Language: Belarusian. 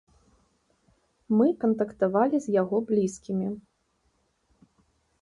Мы кантактавалі з яго блізкімі.